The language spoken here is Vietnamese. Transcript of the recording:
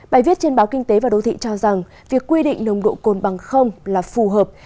bài viết trên báo kinh tế và đô thị cho rằng việc quy định nồng độ cồn bằng là phù hợp